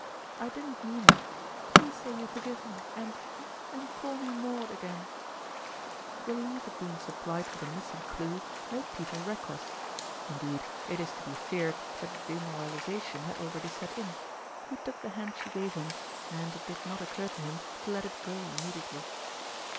I didn't mean it. Please say you forgive me, and and call me Maud again !" Relief at being supplied with a missing clew made Peter reckless ; indeed, it is to be feared that demoralization had already set in ; he took the hand she gave him, and it did not occur to him to let it go immediately.